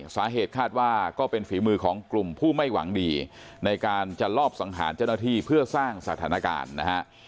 สาเหตุคาดว่าก็เป็นฝีมือของกลุ่มผู้ไม่หวังดีในการจะลอบสังหารเจ้าหน้าที่เพื่อสร้างสถานการณ์นะฮะ